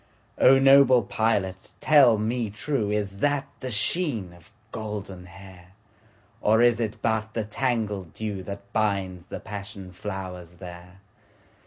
O noble pilot tell me trueIs that the sheen of golden hair? Or is it but the tangled dewThat binds the passion flowers there?